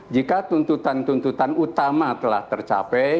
jika tuntutan tuntutan utama telah tercapai